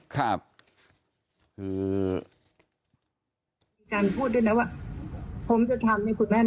ไม่ให้เลยนะอันนี้ไม่ต้องถามเป็นเปอร์เซ็นต์แล้วนะ